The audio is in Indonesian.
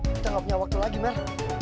kita nggak punya waktu lagi mer